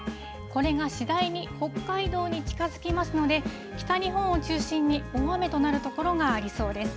これが次第に北海道に近づきますので、北日本を中心に大雨となる所がありそうです。